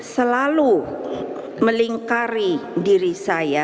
selalu melingkari diri saya